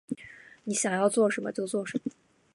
你想要做什么？就做什么